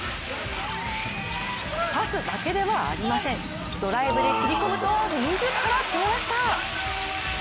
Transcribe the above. パスだけではありません、ドライブで切り込むと自ら決めました！